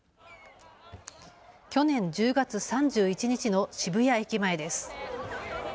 去年１０月３１日の渋谷駅前です。